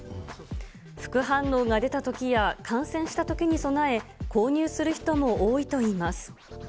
副反応が出たときや、感染したときに備え、購入する人も多いといいます。